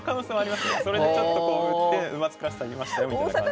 それでちょっとこう打って馬作らせてあげましたよみたいな感じは。